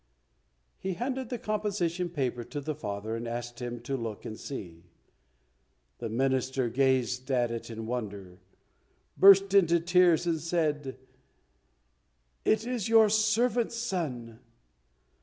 He handed the composition paper to the father, and asked him to look and see. The Minister gazed at it in wonder, burst into tears, and said, "It is your servant's son.